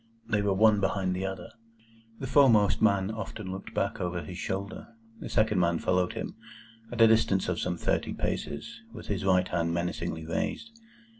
They were one behind the other. The foremost man often looked back over his shoulder. The second man followed him, at a distance of some thirty paces, with his right hand menacingly raised.